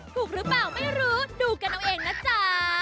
ถูกหรือเปล่าไม่รู้ดูกันเอาเองนะจ๊ะ